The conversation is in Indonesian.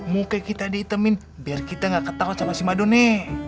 muka kita diitemin biar kita ga ketawa sama si madone